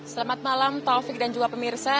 selamat malam taufik dan juga pemirsa